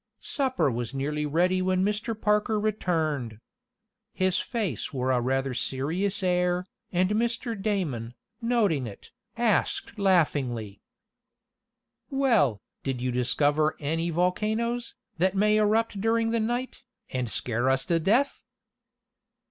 Supper was nearly ready when Mr. Parker returned. His face wore a rather serious air, and Mr. Damon, noting it, asked laughingly: "Well, did you discover any volcanoes, that may erupt during the night, and scare us to death?"